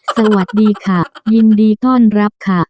สวัสดีค่ะยินดีต้อนรับค่ะ